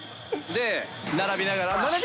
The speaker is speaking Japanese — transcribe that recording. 並びながら？